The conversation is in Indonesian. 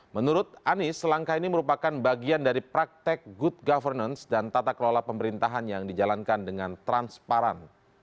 menurut anies langkah ini merupakan bagian dari praktek good governance dan tata kelola pemerintahan yang dijalankan dengan transparan